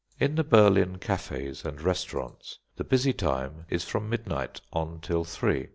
In the Berlin cafes and restaurants, the busy time is from midnight on till three.